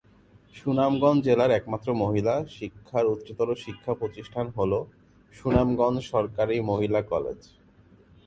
সুনামগঞ্জ জেলার একমাত্র মহিলা শিক্ষার উচ্চতর শিক্ষাপ্রতিষ্ঠান হলো সুনামগঞ্জ সরকারি মহিলা কলেজ।